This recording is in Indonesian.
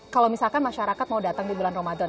kalau misalkan masyarakat mau datang di bulan ramadan